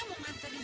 sampai jumpa lagi